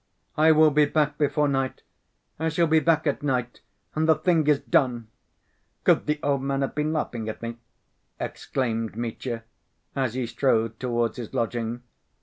"I will be back before night, I shall be back at night and the thing is done. Could the old man have been laughing at me?" exclaimed Mitya, as he strode towards his lodging.